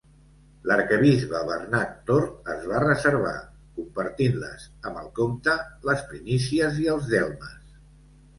L'arquebisbe Bernat Tort es va reservar, compartint-les amb el comte, les primícies i els delmes.